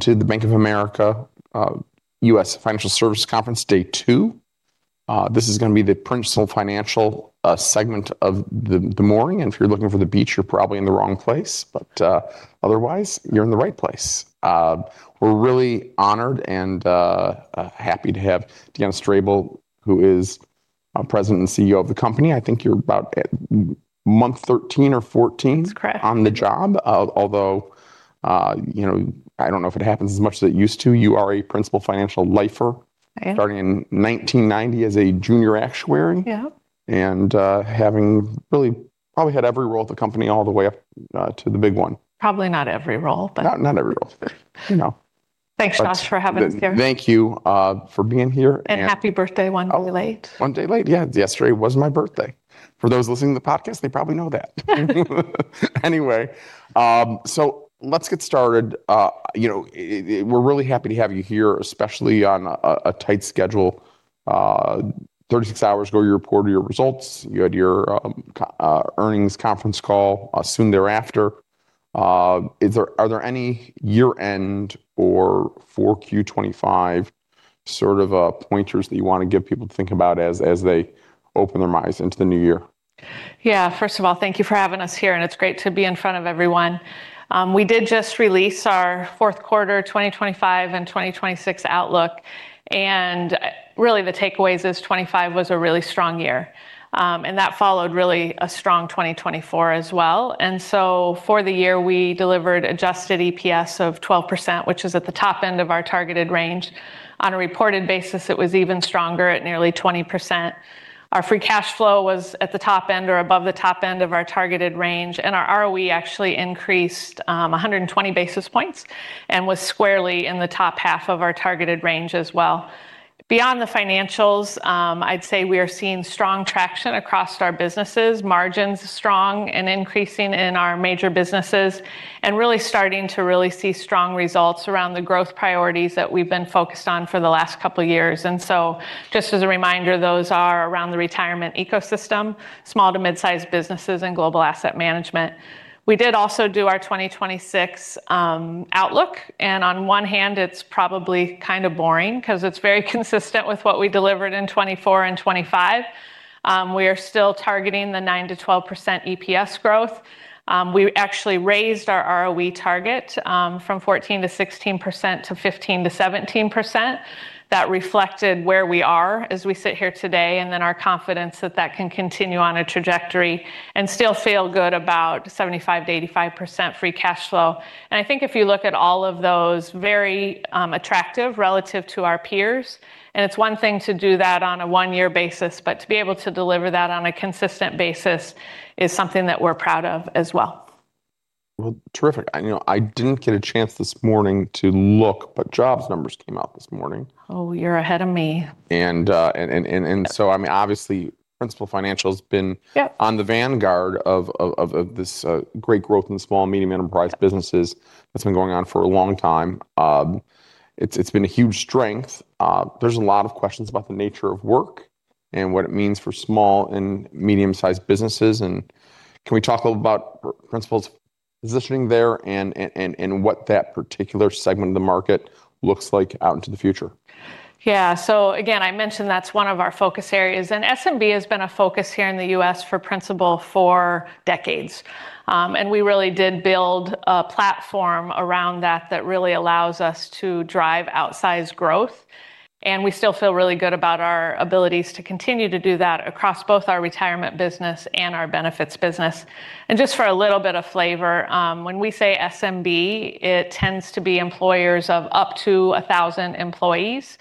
To the Bank of America U.S. Financial Services Conference, day two. This is going to be the Principal Financial segment of the morning, and if you're looking for the beach, you're probably in the wrong place, but otherwise you're in the right place. We're really honored and happy to have Deanna Strable, who is President and CEO of the company. I think you're about month 13 or 14. That's correct. On the job, although, you know, I don't know if it happens as much as it used to. You are a Principal Financial lifer starting in 1990 as a junior actuary. Yeah. Having really probably had every role at the company all the way up to the big one. Probably not every role, but. Not, not every role, you know. Thanks, Josh, for having us here. Thank you for being here. Happy birthday, one day late. One day late, yeah. Yesterday was my birthday. For those listening to the podcast, they probably know that. Anyway, so let's get started. You know, we're really happy to have you here, especially on a tight schedule. 36 hours ago, you reported your results. You had your earnings conference call soon thereafter. Is there any year-end or 4Q25 sort of pointers that you want to give people to think about as they open their minds into the new year? Yeah, first of all, thank you for having us here, and it's great to be in front of everyone. We did just release our fourth quarter 2025 and 2026 outlook, and really the takeaways is 2025 was a really strong year, and that followed really a strong 2024 as well. For the year, we delivered adjusted EPS of 12%, which is at the top end of our targeted range. On a reported basis, it was even stronger at nearly 20%. Our free cash flow was at the top end or above the top end of our targeted range, and our ROE actually increased 120 basis points and was squarely in the top half of our targeted range as well. Beyond the financials, I'd say we are seeing strong traction across our businesses, margins strong and increasing in our major businesses, and really starting to really see strong results around the growth priorities that we've been focused on for the last couple of years. And so just as a reminder, those are around the retirement ecosystem, small to midsize businesses, and global asset management. We did also do our 2026 outlook, and on one hand, it's probably kind of boring because it's very consistent with what we delivered in 2024 and 2025. We are still targeting the 9%-12% EPS growth. We actually raised our ROE target, from 14%-16% to 15%-17%. That reflected where we are as we sit here today and then our confidence that that can continue on a trajectory and still feel good about 75%-85% free cash flow. I think if you look at all of those, very attractive relative to our peers, and it's one thing to do that on a one-year basis, but to be able to deliver that on a consistent basis is something that we're proud of as well. Well, terrific. I, you know, I didn't get a chance this morning to look, but jobs numbers came out this morning. Oh, you're ahead of me. And so, I mean, obviously Principal Financial's been on the vanguard of this great growth in small and medium enterprise businesses that's been going on for a long time. It's been a huge strength. There's a lot of questions about the nature of work and what it means for small and medium-sized businesses. And can we talk a little about Principal's positioning there and what that particular segment of the market looks like out into the future? Yeah, so again, I mentioned that's one of our focus areas, and SMB has been a focus here in the U.S. for Principal for decades. And we really did build a platform around that that really allows us to drive outsized growth, and we still feel really good about our abilities to continue to do that across both our retirement business and our benefits business. And just for a little bit of flavor, when we say SMB, it tends to be employers of up to 1,000 employees.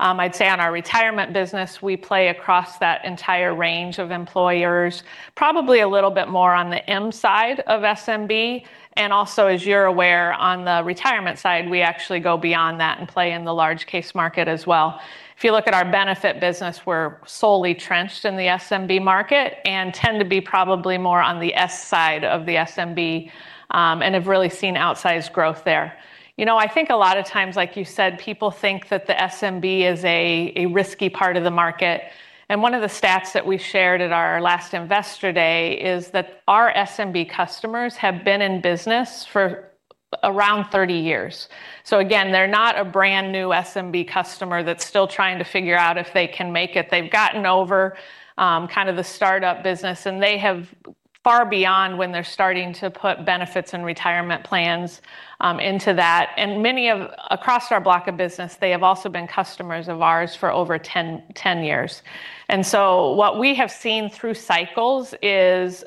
I'd say on our retirement business, we play across that entire range of employers, probably a little bit more on the M side of SMB. And also, as you're aware, on the retirement side, we actually go beyond that and play in the large case market as well. If you look at our benefit business, we're solely trenched in the SMB market and tend to be probably more on the S side of the SMB, and have really seen outsized growth there. You know, I think a lot of times, like you said, people think that the SMB is a risky part of the market. And one of the stats that we shared at our last investor day is that our SMB customers have been in business for around 30 years. So again, they're not a brand new SMB customer that's still trying to figure out if they can make it. They've gotten over, kind of the startup business, and they have far beyond when they're starting to put benefits and retirement plans into that. And many of across our block of business, they have also been customers of ours for over 10 years. What we have seen through cycles is,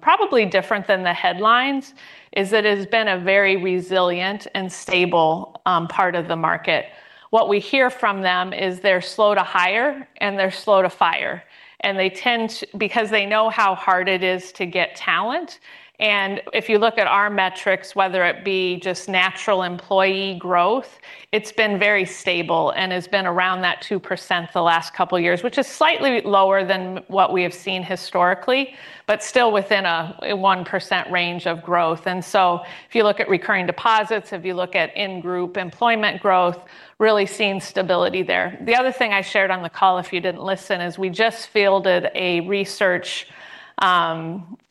probably different than the headlines, is that it's been a very resilient and stable part of the market. What we hear from them is they're slow to hire and they're slow to fire, and they tend to because they know how hard it is to get talent. If you look at our metrics, whether it be just natural employee growth, it's been very stable and has been around that 2% the last couple of years, which is slightly lower than what we have seen historically, but still within a 1% range of growth. If you look at recurring deposits, if you look at in-group employment growth, really seen stability there. The other thing I shared on the call, if you didn't listen, is we just fielded a research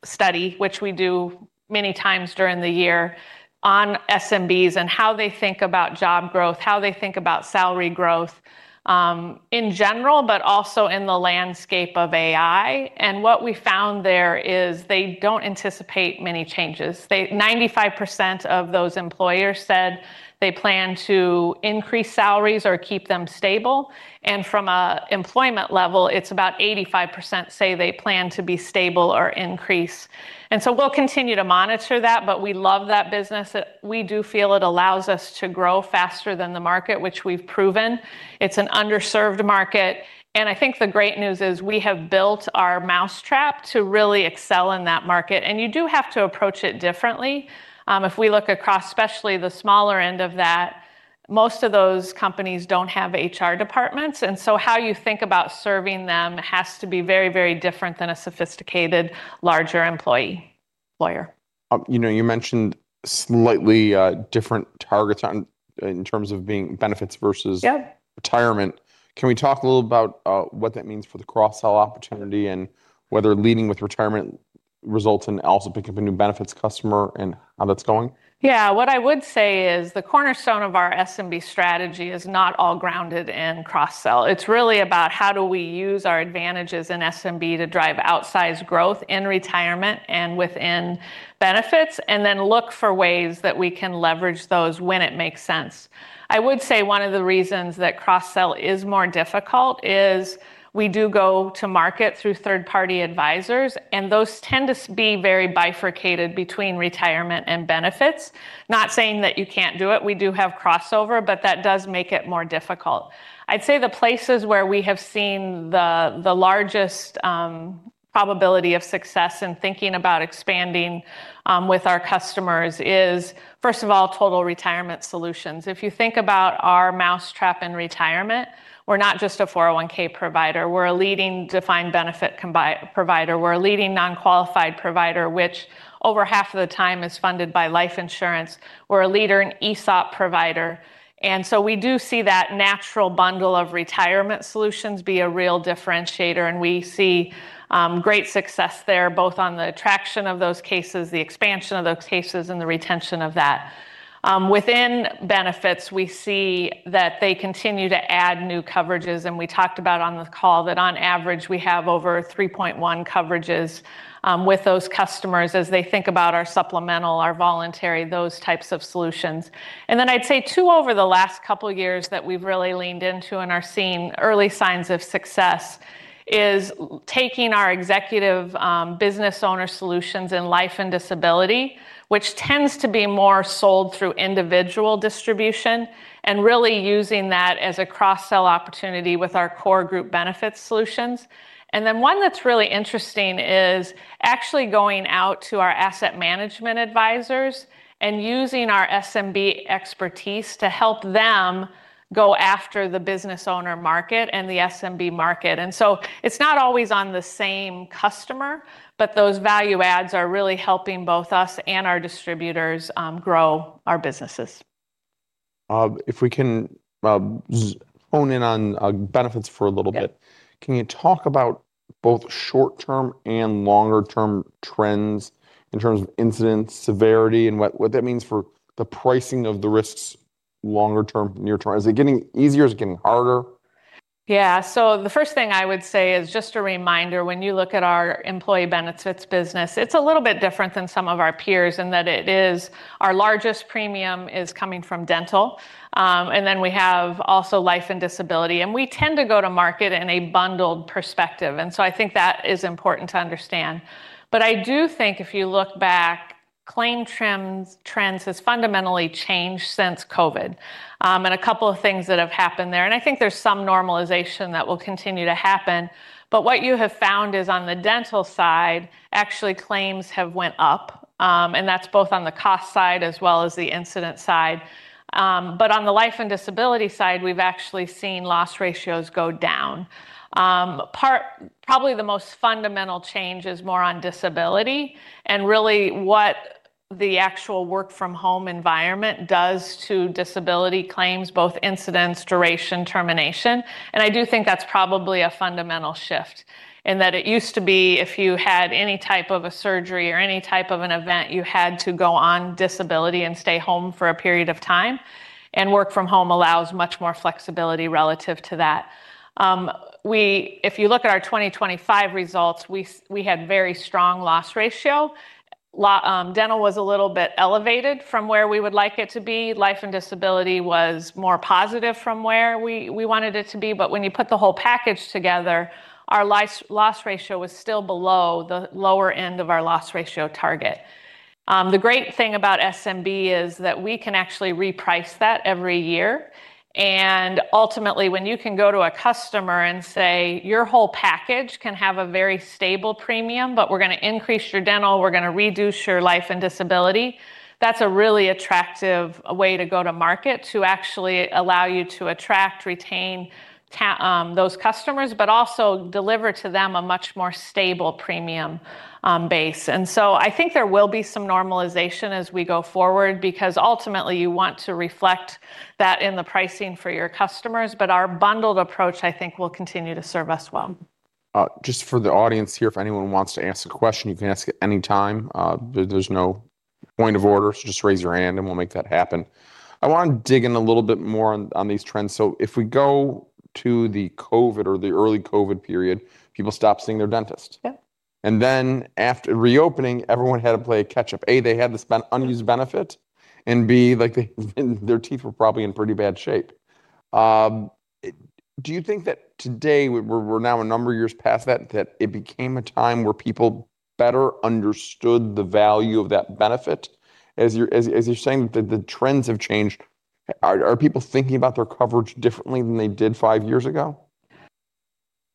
study, which we do many times during the year, on SMBs and how they think about job growth, how they think about salary growth, in general, but also in the landscape of AI. And what we found there is they don't anticipate many changes. They 95% of those employers said they plan to increase salaries or keep them stable. And from an employment level, it's about 85% say they plan to be stable or increase. And so we'll continue to monitor that, but we love that business. We do feel it allows us to grow faster than the market, which we've proven. It's an underserved market. And I think the great news is we have built our mousetrap to really excel in that market. And you do have to approach it differently. If we look across, especially the smaller end of that, most of those companies don't have HR departments. And so how you think about serving them has to be very, very different than a sophisticated, larger employer. You know, you mentioned slightly different targets on in terms of being benefits versus retirement. Can we talk a little about what that means for the cross-sell opportunity and whether leading with retirement results in also picking up a new benefits customer and how that's going? Yeah, what I would say is the cornerstone of our SMB strategy is not all grounded in cross-sell. It's really about how do we use our advantages in SMB to drive outsized growth in retirement and within benefits, and then look for ways that we can leverage those when it makes sense. I would say one of the reasons that cross-sell is more difficult is we do go to market through third-party advisors, and those tend to be very bifurcated between retirement and benefits. Not saying that you can't do it. We do have crossover, but that does make it more difficult. I'd say the places where we have seen the largest probability of success in thinking about expanding with our customers is, first of all, Total Retirement Solutions. If you think about our mousetrap in retirement, we're not just a 401(k) provider. We're a leading defined benefit provider. We're a leading non-qualified provider, which over half of the time is funded by life insurance. We're a leader in ESOP provider. And so we do see that natural bundle of retirement solutions be a real differentiator, and we see great success there, both on the traction of those cases, the expansion of those cases, and the retention of that. Within benefits, we see that they continue to add new coverages. We talked about on the call that on average we have over 3.1 coverages with those customers as they think about our supplemental, our voluntary, those types of solutions. Then I'd say two over the last couple of years that we've really leaned into and are seeing early signs of success is taking our executive, business owner solutions in life and disability, which tends to be more sold through individual distribution, and really using that as a cross-sell opportunity with our core group benefits solutions. Then one that's really interesting is actually going out to our asset management advisors and using our SMB expertise to help them go after the business owner market and the SMB market. So it's not always on the same customer, but those value adds are really helping both us and our distributors grow our businesses. If we can hone in on benefits for a little bit, can you talk about both short-term and longer-term trends in terms of incidence, severity, and what that means for the pricing of the risks longer-term, near-term? Is it getting easier? Is it getting harder? Yeah, so the first thing I would say is just a reminder, when you look at our employee benefits business, it's a little bit different than some of our peers in that it is our largest premium is coming from dental. And then we have also life and disability, and we tend to go to market in a bundled perspective. So I think that is important to understand. But I do think if you look back, claim trends has fundamentally changed since COVID, and a couple of things that have happened there. I think there's some normalization that will continue to happen. But what you have found is on the dental side, actually claims have went up, and that's both on the cost side as well as the incidence side. But on the life and disability side, we've actually seen loss ratios go down. Part probably the most fundamental change is more on disability and really what the actual work-from-home environment does to disability claims, both incidence, duration, termination. And I do think that's probably a fundamental shift in that it used to be if you had any type of a surgery or any type of an event, you had to go on disability and stay home for a period of time. And work-from-home allows much more flexibility relative to that. Well, if you look at our 2025 results, we had very strong Loss Ratio. Dental was a little bit elevated from where we would like it to be. Life and disability was more positive from where we wanted it to be. But when you put the whole package together, our Loss Ratio was still below the lower end of our Loss Ratio target. The great thing about SMB is that we can actually reprice that every year. And ultimately, when you can go to a customer and say, "Your whole package can have a very stable premium, but we're going to increase your dental. We're going to reduce your life and disability," that's a really attractive way to go to market to actually allow you to attract, retain, those customers, but also deliver to them a much more stable premium, base. And so I think there will be some normalization as we go forward because ultimately you want to reflect that in the pricing for your customers. But our bundled approach, I think, will continue to serve us well. Just for the audience here, if anyone wants to ask a question, you can ask it anytime. There's no point of order. So just raise your hand and we'll make that happen. I want to dig in a little bit more on these trends. So if we go to the COVID or the early COVID period, people stopped seeing their dentist. Yeah, and then after reopening, everyone had to play a catch-up. A, they had to spend unused benefit, and B, like their teeth were probably in pretty bad shape. Do you think that today we're now a number of years past that, that it became a time where people better understood the value of that benefit? As you're saying, the trends have changed. Are people thinking about their coverage differently than they did five years ago?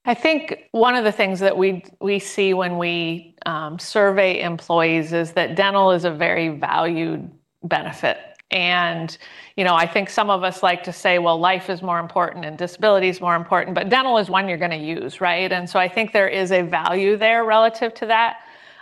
I think one of the things that we see when we survey employees is that dental is a very valued benefit. And you know, I think some of us like to say, "Well, life is more important and disability is more important, but dental is one you're going to use," right? And so I think there is a value there relative to that.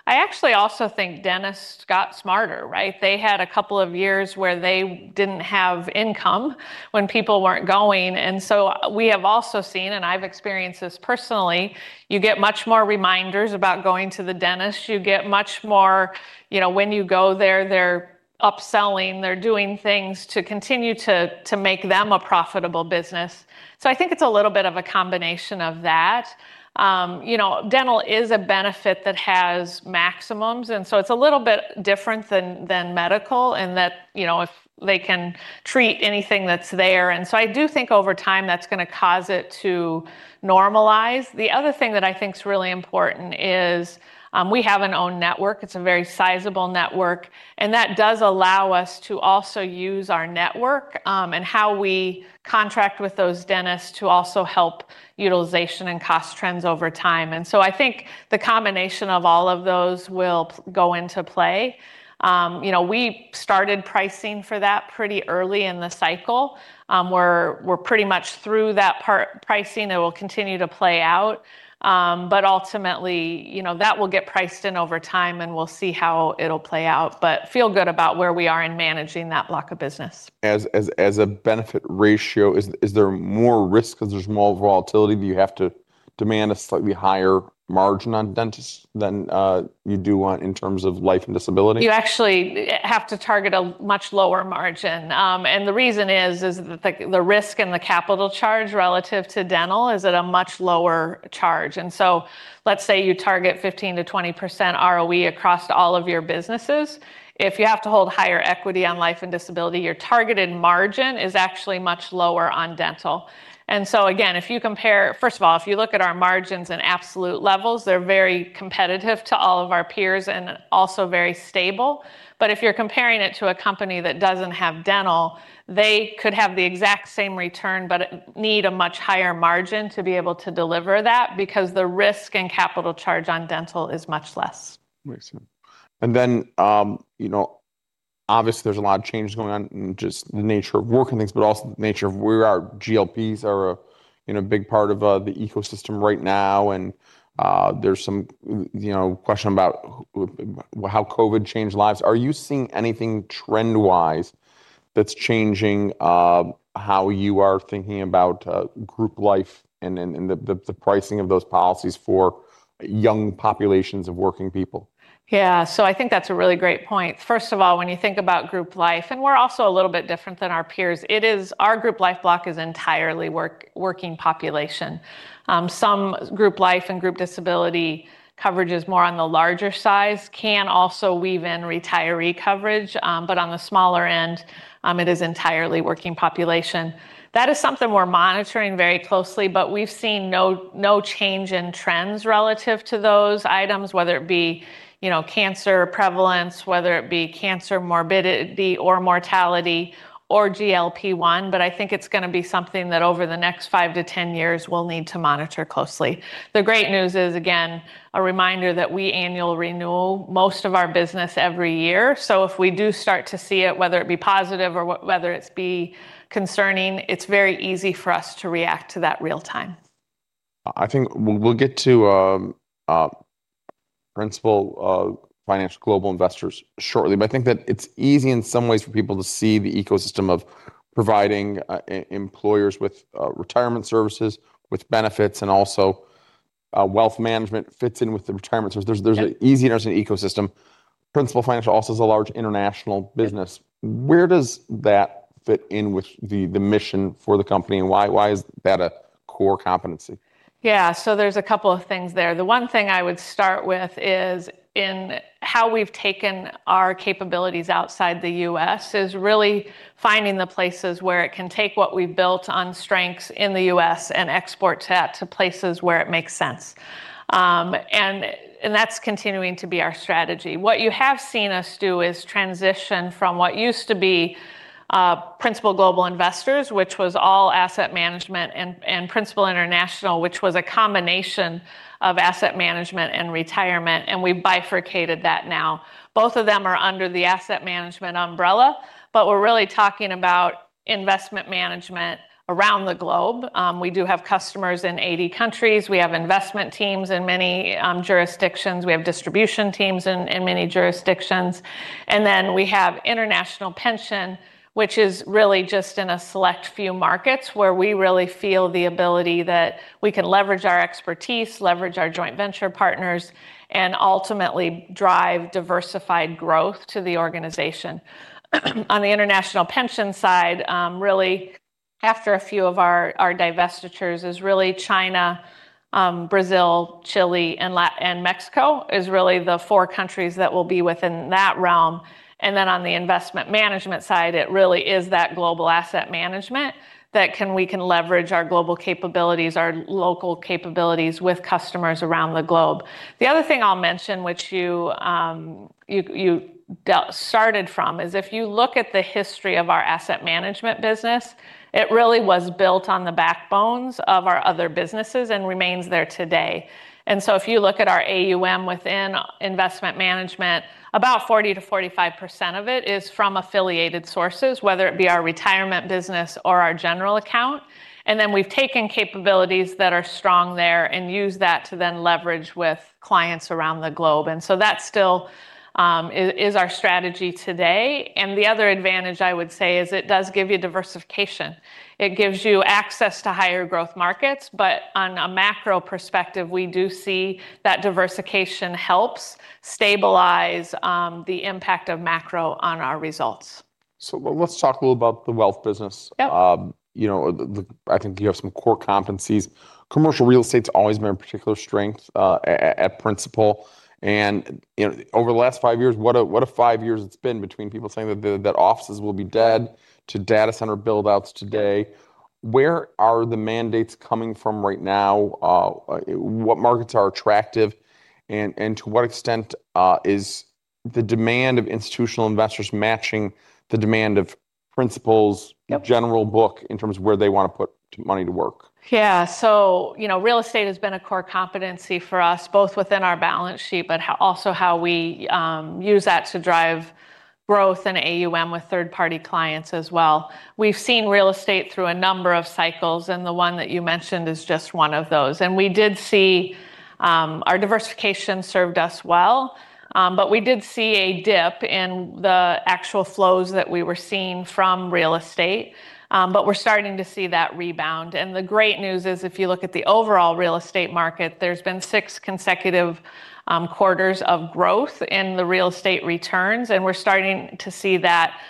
I actually also think dentists got smarter, right? They had a couple of years where they didn't have income when people weren't going. And so we have also seen, and I've experienced this personally, you get much more reminders about going to the dentist. You get much more, you know, when you go there, they're upselling. They're doing things to continue to make them a profitable business. So I think it's a little bit of a combination of that. You know, dental is a benefit that has maximums. And so it's a little bit different than medical in that, you know, if they can treat anything that's there. And so I do think over time that's going to cause it to normalize. The other thing that I think is really important is, we have our own network. It's a very sizable network. And that does allow us to also use our network, and how we contract with those dentists to also help utilization and cost trends over time. And so I think the combination of all of those will go into play. You know, we started pricing for that pretty early in the cycle. We're pretty much through that part pricing. It will continue to play out. But ultimately, you know, that will get priced in over time and we'll see how it'll play out. But feel good about where we are in managing that block of business. As a benefit ratio, is there more risk because there's more volatility that you have to demand a slightly higher margin on dentists than you do on in terms of life and disability? You actually have to target a much lower margin. The reason is that the risk and the capital charge relative to dental is at a much lower charge. So let's say you target 15%-20% ROE across all of your businesses. If you have to hold higher equity on life and disability, your targeted margin is actually much lower on dental. So again, if you compare, first of all, if you look at our margins and absolute levels, they're very competitive to all of our peers and also very stable. But if you're comparing it to a company that doesn't have dental, they could have the exact same return but need a much higher margin to be able to deliver that because the risk and capital charge on dental is much less. Makes sense. And then, you know, obviously there's a lot of change going on and just the nature of working things, but also the nature of where our GLPs are, you know, a big part of the ecosystem right now. And, there's some, you know, question about how COVID changed lives. Are you seeing anything trend-wise that's changing how you are thinking about group life and the pricing of those policies for young populations of working people? Yeah, so I think that's a really great point. First of all, when you think about group life, and we're also a little bit different than our peers, it is our group life block is entirely working population. Some group life and group disability coverage is more on the larger size, can also weave in retiree coverage. But on the smaller end, it is entirely working population. That is something we're monitoring very closely, but we've seen no no change in trends relative to those items, whether it be, you know, cancer prevalence, whether it be cancer morbidity or mortality or GLP-1. But I think it's going to be something that over the next 5-10 years we'll need to monitor closely. The great news is, again, a reminder that we annual renew most of our business every year. So if we do start to see it, whether it be positive or whether it be concerning, it's very easy for us to react to that real-time. I think we'll get to Principal Global Investors shortly. But I think that it's easy in some ways for people to see the ecosystem of providing employers with retirement services, with benefits, and also wealth management fits in with the retirement services. There's an easiness in ecosystem. Principal Financial also is a large international business. Where does that fit in with the mission for the company? And why is that a core competency? Yeah, so there's a couple of things there. The one thing I would start with is in how we've taken our capabilities outside the U.S. is really finding the places where it can take what we've built on strengths in the U.S. and export that to places where it makes sense. And that's continuing to be our strategy. What you have seen us do is transition from what used to be Principal Global Investors, which was all asset management, and Principal International, which was a combination of asset management and retirement. And we've bifurcated that now. Both of them are under the asset management umbrella, but we're really talking about investment management around the globe. We do have customers in 80 countries. We have investment teams in many jurisdictions. We have distribution teams in many jurisdictions. We have international pension, which is really just in a select few markets where we really feel the ability that we can leverage our expertise, leverage our joint venture partners, and ultimately drive diversified growth to the organization. On the international pension side, really, after a few of our divestitures is really China, Brazil, Chile, and Mexico is really the four countries that will be within that realm. On the investment management side, it really is that global asset management that we can leverage our global capabilities, our local capabilities with customers around the globe. The other thing I'll mention, which you started from, is if you look at the history of our asset management business, it really was built on the backbones of our other businesses and remains there today. If you look at our AUM within investment management, about 40%-45% of it is from affiliated sources, whether it be our retirement business or our general account. We've taken capabilities that are strong there and used that to then leverage with clients around the globe. That still is our strategy today. The other advantage I would say is it does give you diversification. It gives you access to higher growth markets. But on a macro perspective, we do see that diversification helps stabilize the impact of macro on our results. So let's talk a little about the wealth business. You know, I think you have some core competencies. Commercial real estate's always been a particular strength at Principal. And you know over the last five years, what a five years it's been between people saying that offices will be dead to data center buildouts today. Where are the mandates coming from right now? What markets are attractive? And to what extent is the demand of institutional investors matching the demand of Principal's general book in terms of where they want to put money to work? Yeah, so you know real estate has been a core competency for us, both within our balance sheet, but also how we use that to drive growth and AUM with third-party clients as well. We've seen real estate through a number of cycles, and the one that you mentioned is just one of those. We did see our diversification served us well, but we did see a dip in the actual flows that we were seeing from real estate. We're starting to see that rebound. The great news is if you look at the overall real estate market, there's been six consecutive quarters of growth in the real estate returns. We're starting to see that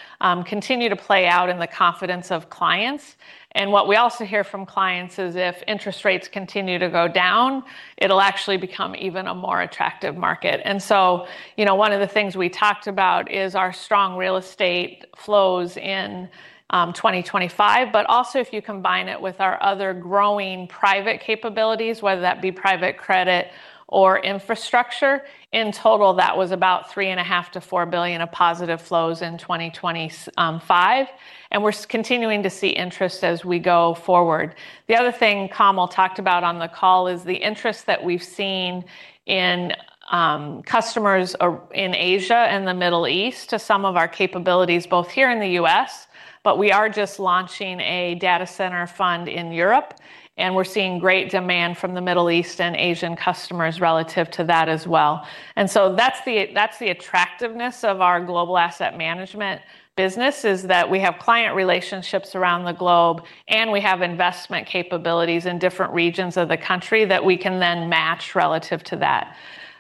continue to play out in the confidence of clients. What we also hear from clients is if interest rates continue to go down, it'll actually become even a more attractive market. And so you know one of the things we talked about is our strong real estate flows in 2025. But also if you combine it with our other growing private capabilities, whether that be private credit or infrastructure, in total, that was about $3.5 billion-$4 billion of positive flows in 2025. And we're continuing to see interest as we go forward. The other thing Kamal talked about on the call is the interest that we've seen in customers in Asia and the Middle East to some of our capabilities, both here in the U.S. But we are just launching a data center fund in Europe. And we're seeing great demand from the Middle East and Asian customers relative to that as well. That's the attractiveness of our global asset management business, is that we have client relationships around the globe and we have investment capabilities in different regions of the country that we can then match relative to that.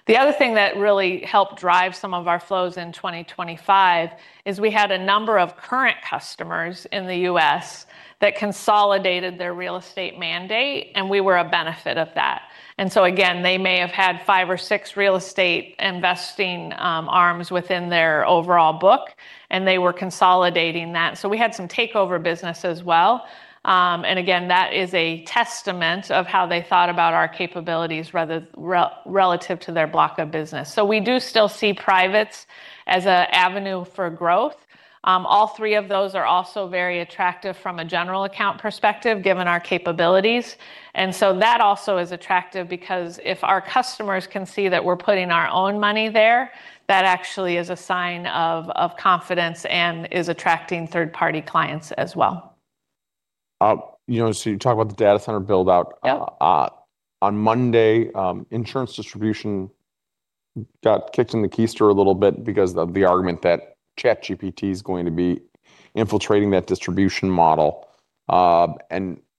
The other thing that really helped drive some of our flows in 2025 is we had a number of current customers in the U.S. that consolidated their real estate mandate, and we were a benefit of that. So again, they may have had five or six real estate investing arms within their overall book, and they were consolidating that. So we had some takeover business as well. And again, that is a testament of how they thought about our capabilities relative to their block of business. So we do still see privates as an avenue for growth. All three of those are also very attractive from a general account perspective, given our capabilities. And so that also is attractive because if our customers can see that we're putting our own money there, that actually is a sign of confidence and is attracting third-party clients as well. You know, so you talk about the data center buildout. On Monday, insurance distribution got kicked in the keister a little bit because of the argument that ChatGPT is going to be infiltrating that distribution model.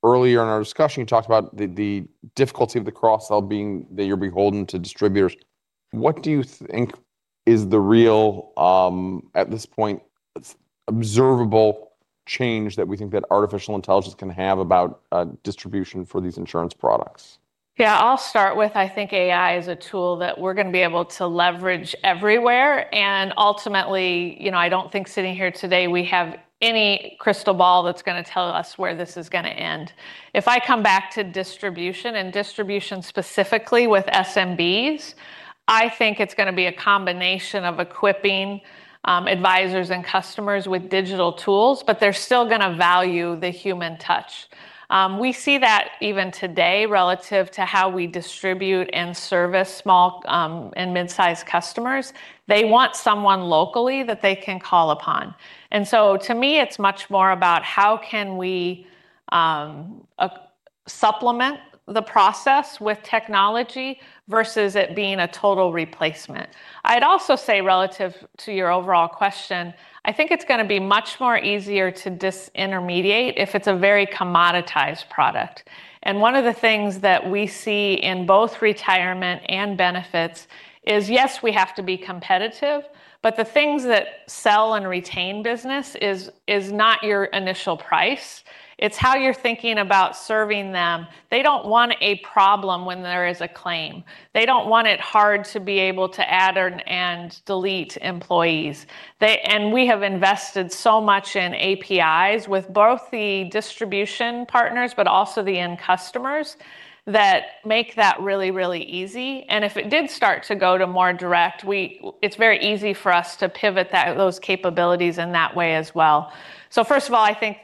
Earlier in our discussion, you talked about the difficulty of the cross-sell being that you're beholden to distributors. What do you think is the real, at this point, observable change that we think that artificial intelligence can have about distribution for these insurance products? Yeah, I'll start with, I think AI is a tool that we're going to be able to leverage everywhere. Ultimately, you know I don't think sitting here today we have any crystal ball that's going to tell us where this is going to end. If I come back to distribution and distribution specifically with SMBs, I think it's going to be a combination of equipping advisors and customers with digital tools, but they're still going to value the human touch. We see that even today relative to how we distribute and service small and mid-sized customers. They want someone locally that they can call upon. So to me, it's much more about how can we supplement the process with technology versus it being a total replacement. I'd also say relative to your overall question, I think it's going to be much more easier to disintermediate if it's a very commoditized product. And one of the things that we see in both retirement and benefits is, yes, we have to be competitive, but the things that sell and retain business is not your initial price. It's how you're thinking about serving them. They don't want a problem when there is a claim. They don't want it hard to be able to add and delete employees. And we have invested so much in APIs with both the distribution partners, but also the end customers that make that really, really easy. And if it did start to go to more direct, it's very easy for us to pivot those capabilities in that way as well. So first of all, I think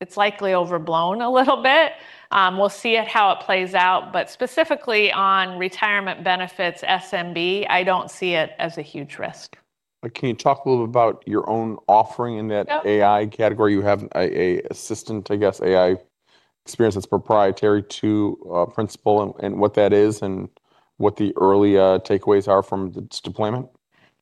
it's likely overblown a little bit. We'll see how it plays out. Specifically on retirement benefits, SMB, I don't see it as a huge risk. Can you talk a little about your own offering in that AI category? You have an assistant, I guess, AI experience that's proprietary to Principal, and what that is, and what the early takeaways are from its deployment?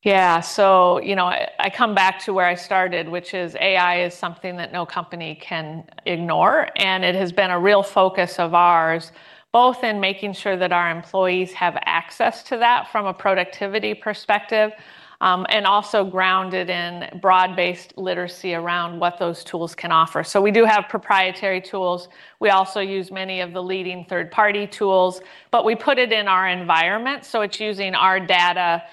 Yeah, so you know I come back to where I started, which is AI is something that no company can ignore. And it has been a real focus of ours, both in making sure that our employees have access to that from a productivity perspective, and also grounded in broad-based literacy around what those tools can offer. So we do have proprietary tools. We also use many of the leading third-party tools, but we put it in our environment. So it's using our data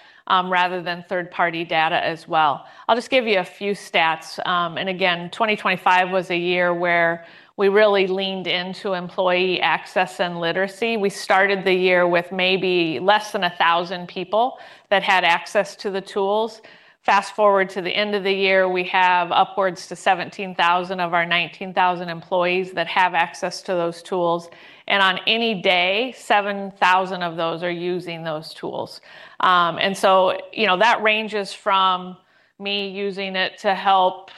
rather than third-party data as well. I'll just give you a few stats. And again, 2025 was a year where we really leaned into employee access and literacy. We started the year with maybe less than 1,000 people that had access to the tools. Fast forward to the end of the year, we have upwards to 17,000 of our 19,000 employees that have access to those tools. On any day, 7,000 of those are using those tools. And so you know that ranges from me using it to help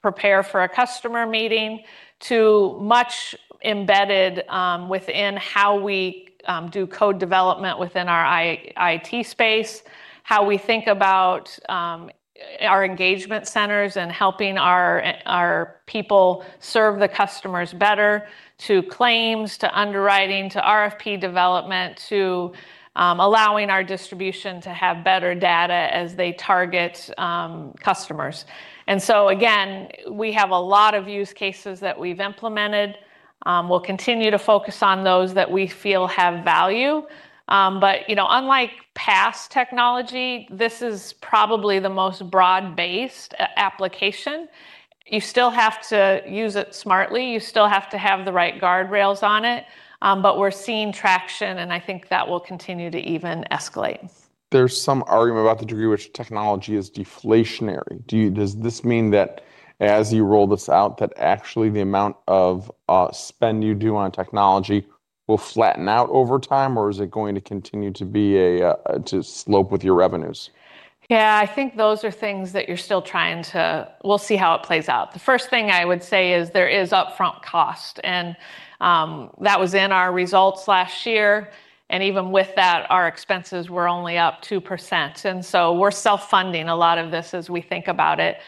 prepare for a customer meeting to much embedded within how we do code development within our IT space, how we think about our engagement centers and helping our people serve the customers better, to claims, to underwriting, to RFP development, to allowing our distribution to have better data as they target customers. And so again, we have a lot of use cases that we've implemented. We'll continue to focus on those that we feel have value. But you know unlike past technology, this is probably the most broad-based application. You still have to use it smartly. You still have to have the right guardrails on it. But we're seeing traction, and I think that will continue to even escalate. There's some argument about the degree which technology is deflationary. Does this mean that as you roll this out, that actually the amount of spend you do on technology will flatten out over time, or is it going to continue to slope with your revenues? Yeah, I think those are things that you're still trying to. We'll see how it plays out. The first thing I would say is there is upfront cost. That was in our results last year. Even with that, our expenses were only up 2%. We're self-funding a lot of this as we think about it.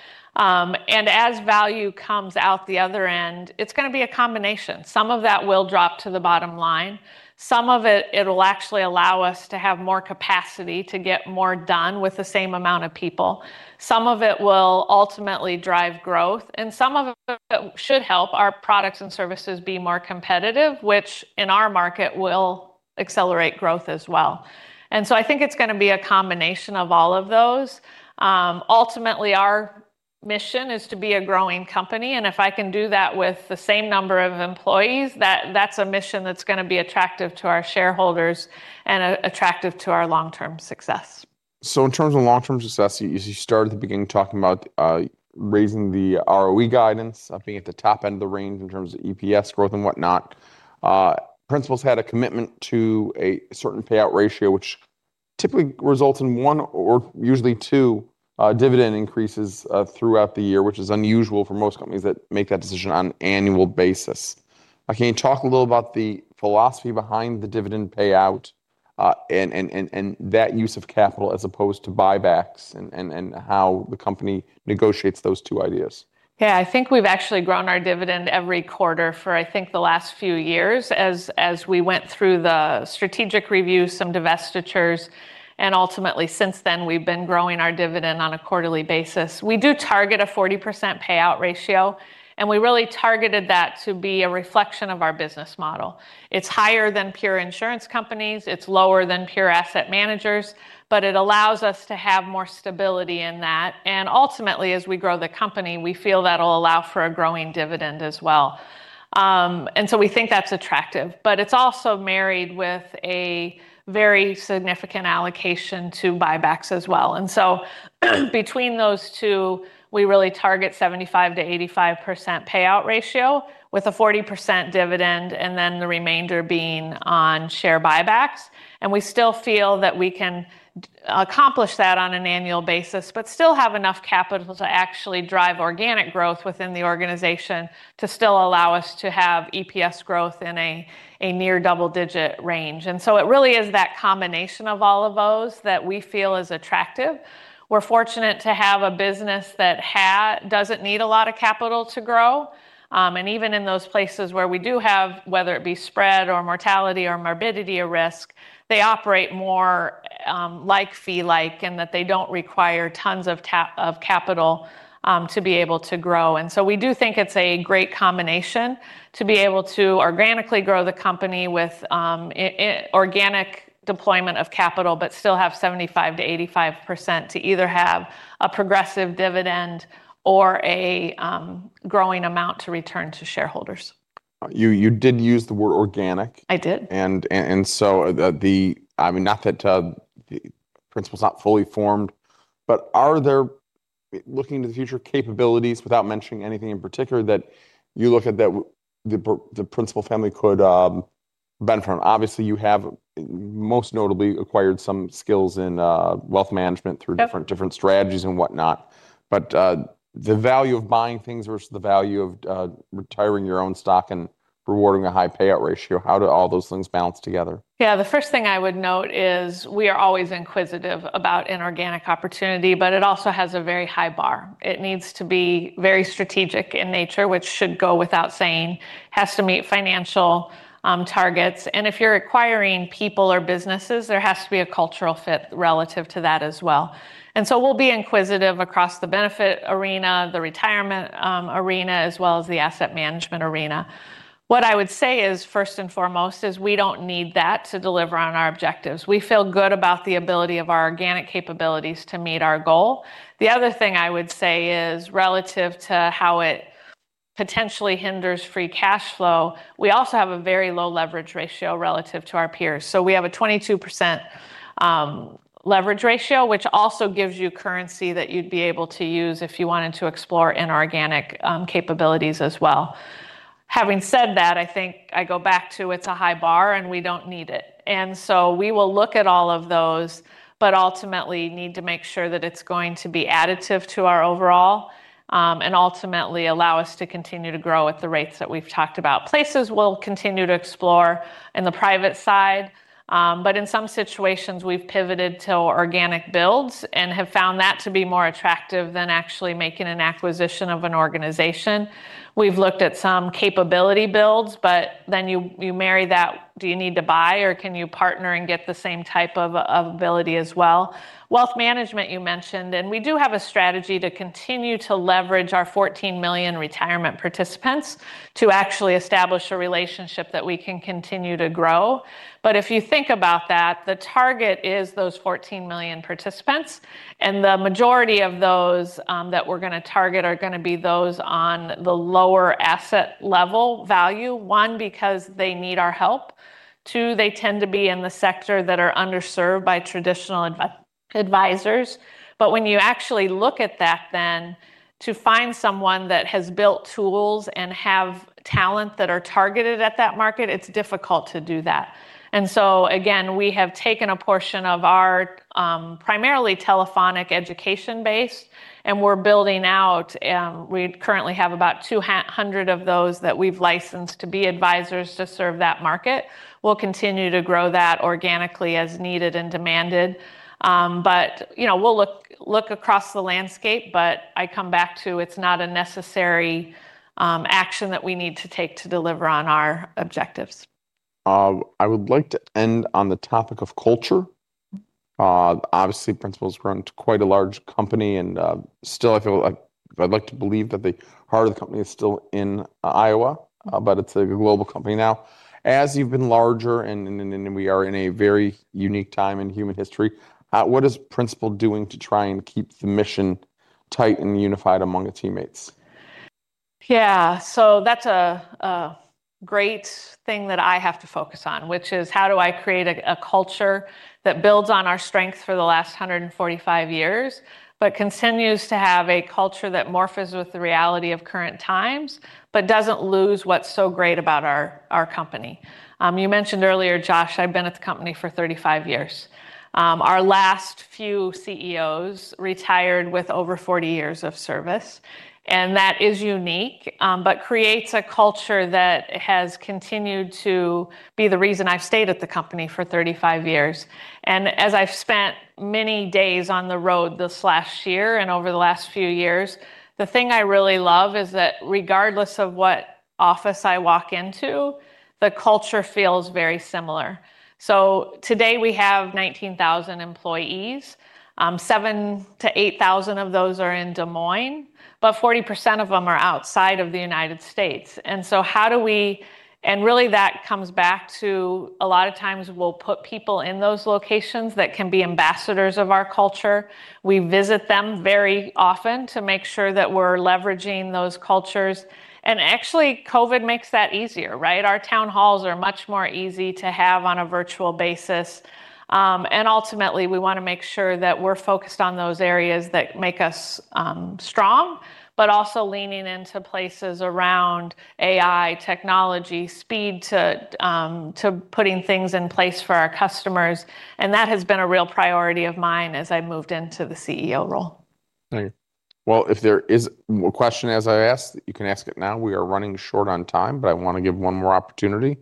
As value comes out the other end, it's going to be a combination. Some of that will drop to the bottom line. Some of it, it'll actually allow us to have more capacity to get more done with the same amount of people. Some of it will ultimately drive growth. Some of it should help our products and services be more competitive, which in our market will accelerate growth as well. I think it's going to be a combination of all of those. Ultimately, our mission is to be a growing company. If I can do that with the same number of employees, that's a mission that's going to be attractive to our shareholders and attractive to our long-term success. So in terms of long-term success, as you started at the beginning talking about raising the ROE guidance, being at the top end of the range in terms of EPS growth and whatnot, Principal's had a commitment to a certain payout ratio, which typically results in one or usually two dividend increases throughout the year, which is unusual for most companies that make that decision on an annual basis. Can you talk a little about the philosophy behind the dividend payout and that use of capital as opposed to buybacks and how the company negotiates those two ideas? Yeah, I think we've actually grown our dividend every quarter for, I think, the last few years as we went through the strategic review, some divestitures. And ultimately, since then, we've been growing our dividend on a quarterly basis. We do target a 40% payout ratio. And we really targeted that to be a reflection of our business model. It's higher than pure insurance companies. It's lower than pure asset managers. But it allows us to have more stability in that. And ultimately, as we grow the company, we feel that'll allow for a growing dividend as well. And so we think that's attractive. But it's also married with a very significant allocation to buybacks as well. And so between those two, we really target 75%-85% payout ratio with a 40% dividend and then the remainder being on share buybacks. We still feel that we can accomplish that on an annual basis, but still have enough capital to actually drive organic growth within the organization to still allow us to have EPS growth in a near double-digit range. So it really is that combination of all of those that we feel is attractive. We're fortunate to have a business that doesn't need a lot of capital to grow. Even in those places where we do have, whether it be spread or mortality or morbidity or risk, they operate more like-fee-like in that they don't require tons of capital to be able to grow. So we do think it's a great combination to be able to organically grow the company with organic deployment of capital, but still have 75%-85% to either have a progressive dividend or a growing amount to return to shareholders. You did use the word organic. I did. And so, I mean, not that Principal's aren't fully formed, but are there, looking into the future, capabilities, without mentioning anything in particular, that you look at that the Principal family could benefit from? Obviously, you have most notably acquired some skills in wealth management through different strategies and whatnot. But the value of buying things versus the value of retiring your own stock and rewarding a high payout ratio, how do all those things balance together? Yeah, the first thing I would note is we are always inquisitive about inorganic opportunity, but it also has a very high bar. It needs to be very strategic in nature, which should go without saying. It has to meet financial targets. If you're acquiring people or businesses, there has to be a cultural fit relative to that as well. So we'll be inquisitive across the benefit arena, the retirement arena, as well as the asset management arena. What I would say is, first and foremost, we don't need that to deliver on our objectives. We feel good about the ability of our organic capabilities to meet our goal. The other thing I would say is, relative to how it potentially hinders free cash flow, we also have a very low leverage ratio relative to our peers. So we have a 22% leverage ratio, which also gives you currency that you'd be able to use if you wanted to explore inorganic capabilities as well. Having said that, I think I go back to it's a high bar and we don't need it. And so we will look at all of those, but ultimately need to make sure that it's going to be additive to our overall and ultimately allow us to continue to grow at the rates that we've talked about. Places will continue to explore in the private side. But in some situations, we've pivoted to organic builds and have found that to be more attractive than actually making an acquisition of an organization. We've looked at some capability builds, but then you marry that. Do you need to buy, or can you partner and get the same type of ability as well? Wealth management, you mentioned. And we do have a strategy to continue to leverage our 14 million retirement participants to actually establish a relationship that we can continue to grow. But if you think about that, the target is those 14 million participants. And the majority of those that we're going to target are going to be those on the lower asset level value. 1, because they need our help. 2, they tend to be in the sector that are underserved by traditional advisors. But when you actually look at that, then, to find someone that has built tools and have talent that are targeted at that market, it's difficult to do that. And so again, we have taken a portion of our primarily telephonic education base, and we're building out. We currently have about 200 of those that we've licensed to be advisors to serve that market. We'll continue to grow that organically as needed and demanded. But we'll look across the landscape. But I come back to, it's not a necessary action that we need to take to deliver on our objectives. I would like to end on the topic of culture. Obviously, Principal has grown into quite a large company. And still, I feel like I'd like to believe that the heart of the company is still in Iowa, but it's a global company now. As you've been larger, and we are in a very unique time in human history, what is Principal doing to try and keep the mission tight and unified among its teammates? Yeah, so that's a great thing that I have to focus on, which is how do I create a culture that builds on our strengths for the last 145 years, but continues to have a culture that morphs with the reality of current times, but doesn't lose what's so great about our company? You mentioned earlier, Josh. I've been at the company for 35 years. Our last few CEOs retired with over 40 years of service. That is unique, but creates a culture that has continued to be the reason I've stayed at the company for 35 years. As I've spent many days on the road this last year and over the last few years, the thing I really love is that regardless of what office I walk into, the culture feels very similar. So today we have 19,000 employees. 7,000-8,000 of those are in Des Moines. But 40% of them are outside of the United States. And so how do we, and really, that comes back to a lot of times, we'll put people in those locations that can be ambassadors of our culture. We visit them very often to make sure that we're leveraging those cultures. And actually, COVID makes that easier, right? Our town halls are much more easy to have on a virtual basis. And ultimately, we want to make sure that we're focused on those areas that make us strong, but also leaning into places around AI, technology, speed to putting things in place for our customers. And that has been a real priority of mine as I've moved into the CEO role. Thank you. Well, if there is a question as I asked, you can ask it now. We are running short on time, but I want to give one more opportunity.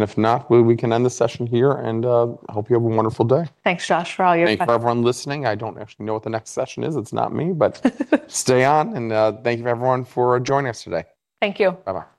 If not, we can end the session here and hope you have a wonderful day. Thanks, Josh, for all your. For everyone listening. I don't actually know what the next session is. It's not me. But stay on. And thank you for everyone for joining us today. Thank you. Bye-bye.